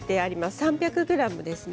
３００ｇですね。